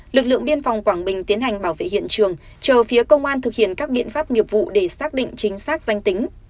lực lượng biên phòng quảng bình tiến hành bảo vệ hiện trường chờ phía công an thực hiện các biện pháp nghiệp vụ để xác định chính xác danh tính